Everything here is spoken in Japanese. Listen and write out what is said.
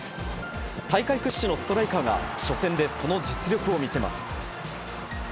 大会屈指のストライカーが、初戦でその実力を見せます。